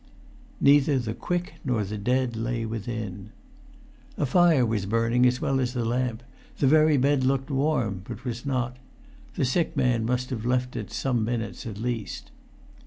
Neither the quick nor the dead lay within. A fire was burning as well as the lamp; the very bed looked warm, but was not; the sick man must have left it some minutes at least.